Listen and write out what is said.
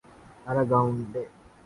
Aragonese